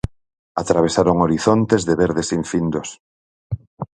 Atravesaron horizontes de verdes infindos.